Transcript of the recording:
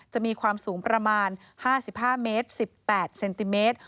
จะมีความสูงประมาณ๕๕เมตร๑๘เซนติเมตร